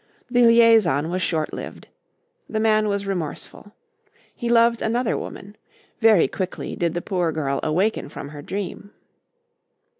The liaison was short lived. The man was remorseful. He loved another woman. Very quickly did the poor girl awaken from her dream.